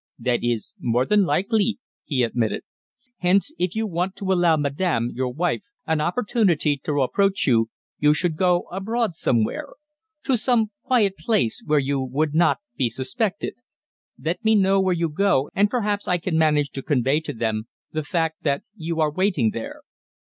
"That is more than likely," he admitted. "Hence, if you want to allow madame, your wife, an opportunity to approach you, you should go abroad somewhere to some quiet place where you would not be suspected. Let me know where you go, and perhaps I can manage to convey to them the fact that you are waiting there."